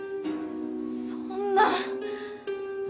そんな。